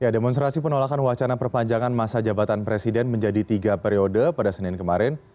demonstrasi penolakan wacana perpanjangan masa jabatan presiden menjadi tiga periode pada senin kemarin